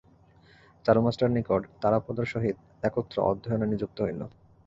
চারু মাস্টারের নিকট তারাপদর সহিত একত্র অধ্যয়নে নিযুক্ত হইল।